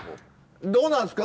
どうなんすか？